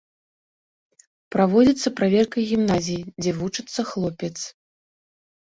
Праводзіцца праверка гімназіі, дзе вучыцца хлопец.